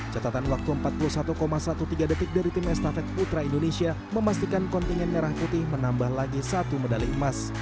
catatan waktu empat puluh satu tiga belas detik dari tim estafet putra indonesia memastikan kontingen merah putih menambah lagi satu medali emas